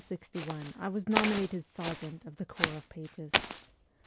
IX IN June 1861 I was nominated sergeant of the Corps of Pages.